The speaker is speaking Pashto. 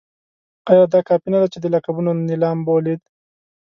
ایا دا کافي نه ده چې د لقبونو نېلام ولید.